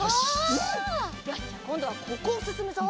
よしこんどはここをすすむぞ。